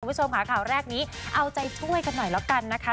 คุณผู้ชมค่ะข่าวแรกนี้เอาใจช่วยกันหน่อยแล้วกันนะคะ